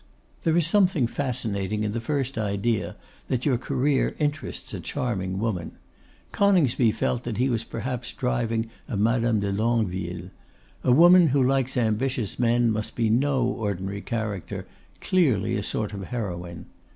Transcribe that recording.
There is something fascinating in the first idea that your career interests a charming woman. Coningsby felt that he was perhaps driving a Madame de Longueville. A woman who likes ambitious men must be no ordinary character; clearly a sort of heroine.